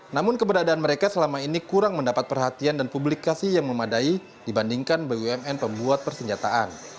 namun keberadaan mereka selama ini kurang mendapat perhatian dan publikasi yang memadai dibandingkan bumn pembuat persenjataan